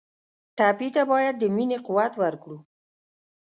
ټپي ته باید د مینې قوت ورکړو.